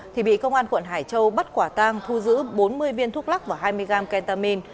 thì bị công an quận hải châu bắt quả tang thu giữ bốn mươi viên thuốc lắc và hai mươi gram kentamin